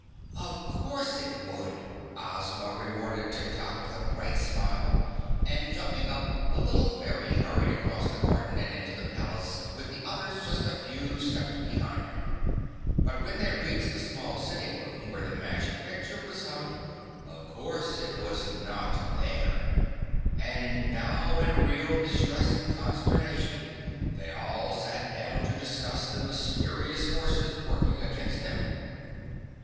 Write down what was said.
"Of course it would!" Ozma rewarded Tik Tok with a bright smile, and jumping up, the little Fairy hurried across the garden and into the palace with the others just a few steps behind her. But when they reached the small sitting room where the magic picture was hung, of course it was not there, and now in real distress and consternation they all sat down to discuss the mysterious forces working against them.